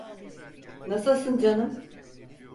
Nasılsın canım?